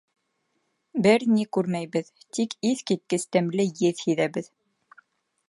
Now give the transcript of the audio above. Бер ни күрмәйбеҙ, тик иҫ киткес тәмле еҫ һиҙәбеҙ.